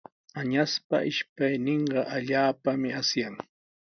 Añaspa ishpayninqa allaapami asyan.